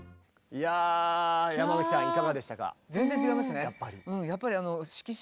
いやヤマザキさんいかがでしたか？